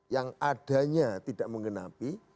yang adanya tidak mengenapi